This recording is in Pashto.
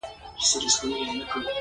یو موږک د زمري رسۍ غوڅې کړې.